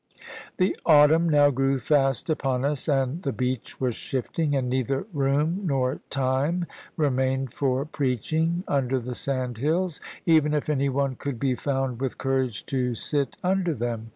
The autumn now grew fast upon us, and the beach was shifting; and neither room nor time remained for preaching under the sandhills, even if any one could be found with courage to sit under them.